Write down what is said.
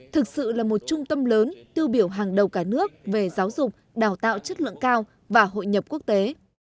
thực sự là một trung tâm lớn tiêu biểu hàng đầu cả nước về giáo dục đào tạo chất lượng cao và hội nhập quốc tế